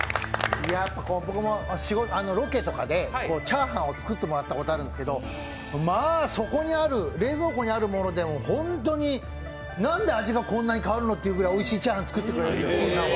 僕もロケとかでチャーハン炒飯を作ってもらったことあるんですけどまぁそこにある、冷蔵庫にあるものでも本当に、なんでこんなに味が変わるのっていうくらいおいしいチャーハン、作ってくれるんですよ。